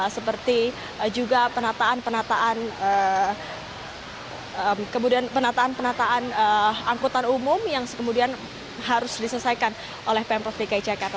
seperti juga penataan penataan angkutan umum yang kemudian harus diselesaikan oleh pemprov dki jakarta